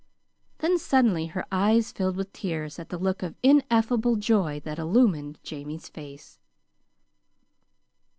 Then suddenly her eyes filled with tears at the look of ineffable joy that illumined Jamie's face.